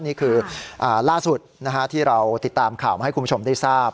นี่คือล่าสุดที่เราติดตามข่าวมาให้คุณผู้ชมได้ทราบ